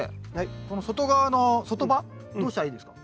この外側の外葉どうしたらいいですか？